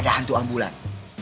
ada hantu ambulan